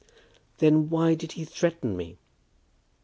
"Then why did he threaten me?"